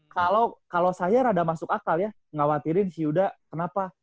kalo kalo saya rada masuk akal ya nghawatirin si yuda kenapa